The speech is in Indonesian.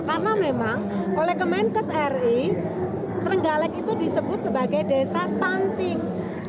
karena memang oleh kemenkes ri terenggalek itu disebut sebagai desa stunting